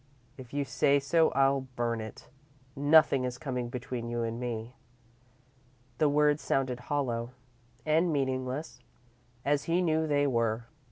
If you say so, I'll burn it. Nothing is coming between you and me." The words sounded hollow and meaningless, as he knew they were.